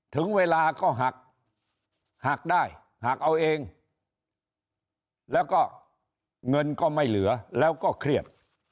ถึงเวลาก็หักหักได้หักเอาเองแล้วก็เงินก็ไม่เหลือแล้วก็เครียด